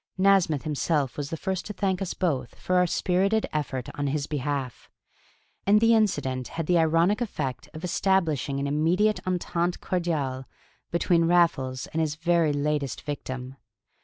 Nasmyth himself was the first to thank us both for our spirited effort on his behalf; and the incident had the ironic effect of establishing an immediate entente cordiale between Raffles and his very latest victim.